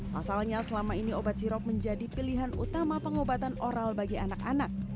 pasalnya selama ini obat sirop menjadi pilihan utama pengobatan oral bagi anak anak